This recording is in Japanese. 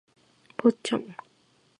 ポッチャマ